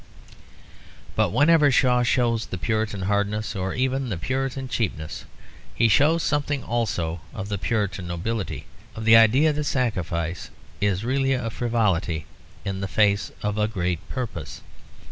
But whenever Shaw shows the Puritan hardness or even the Puritan cheapness, he shows something also of the Puritan nobility, of the idea that sacrifice is really a frivolity in the face of a great purpose.